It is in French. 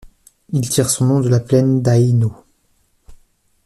Il tire son nom de la plaine d'Aïno.